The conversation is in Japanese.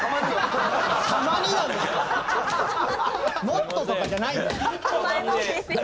「もっと」とかじゃないんですか？